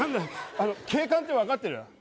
あの警官って分かってる？